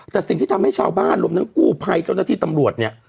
แต่สิ่งที่ทำให้ชาวบ้านรวมทั้งกู้ภัยเจ้าหน้าที่ตำรวจเนี่ย